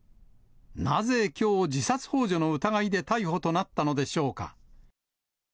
なぜきょう、自殺ほう助の疑いで逮捕となったのでしょうか。